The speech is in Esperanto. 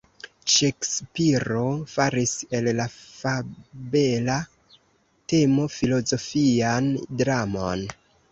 Ŝekspiro faris el la fabela temo filozofian dramon.